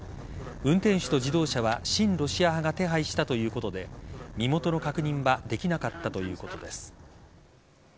運転手と自動車は親ロシア派が手配したということで身元の確認はできなかったということです。